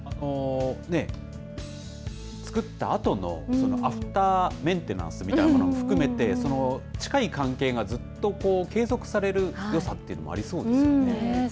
作ったあとの、そのアフターメンテナンスみたいなものも含めて近い関係がずっと継続されるよさというのもそうですよね。